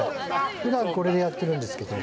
ふだん、これでやってるんですけど。